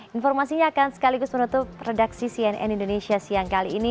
informasinya akan sekaligus menutup redaksi cnn indonesia siang kali ini